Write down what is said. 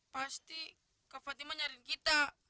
pasti ke fatima nyariin kita